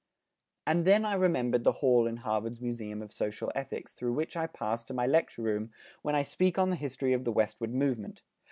And then I remembered the hall in Harvard's museum of social ethics through which I pass to my lecture room when I speak on the history of the Westward movement.